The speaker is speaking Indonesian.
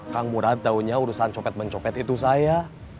kang murad taunya urusan copet mencopet itu saya